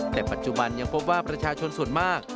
แต่ปัจจุบันยังพบว่าประชาชนส่วนมาก